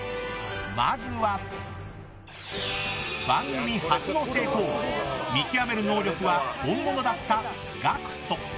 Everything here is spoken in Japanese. まずは、番組初の成功見極める能力は本物だったＧＡＣＫＴ。